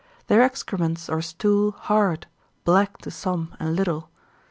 Their excrements or stool hard, black to some and little.